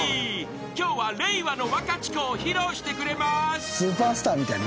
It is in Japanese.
［今日は令和のワカチコを披露してくれます］